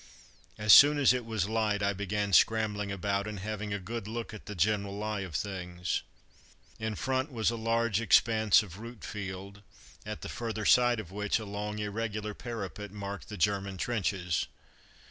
As soon as it was light I began scrambling about, and having a good look at the general lie of things. In front was a large expanse of root field, at the further side of which a long irregular parapet marked the German trenches.